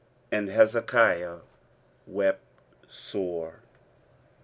And Hezekiah wept sore.